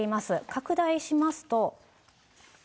拡大しますと。